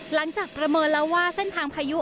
หลังจากประเมินแล้วว่าเส้นทางพายุ